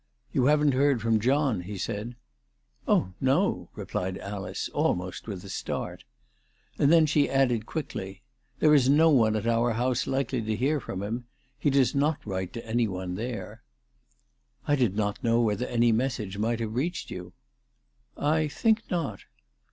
"You haven't heard from John?" he said. " Oh, no," replied Alice, almost with a start. And then she added quickly, "There is no one at our house likely to hear from him. He does not write to any one there." " I did not know whether any message might have reached you." "I think not."